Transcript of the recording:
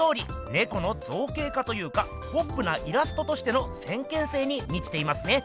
ネコの造形化というかポップなイラストとしての先見性にみちていますね。